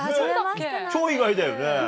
超意外だよね。